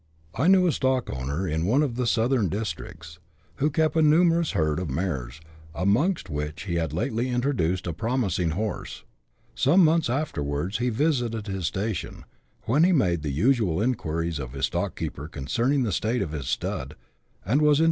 I knew a stockowner in one of the southern districts, who kept a numerous herd of mares, amongst which he had lately introduced a promising horse ; some months after wards he visited his station, when he made the usual inquiries of his stockkeeper concerning the state of his stud, and was in 76 BUSH LIFE IN AUSTRALIA. [chap.